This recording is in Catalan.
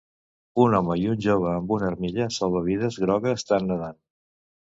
Un home i un jove amb una armilla salvavides groga estan nedant.